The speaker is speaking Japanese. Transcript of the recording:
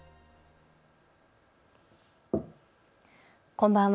こんばんは。